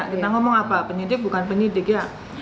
kita ngomong apa penyidik bukan penyidik ya